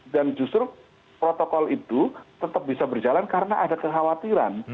dan justru protokol itu tetap bisa berjalan karena ada kekhawatiran